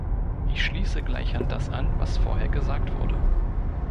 Ich schließe gleich an das an, was vorher gesagt wurde.